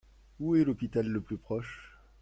Où est l’hôpital le plus proche ?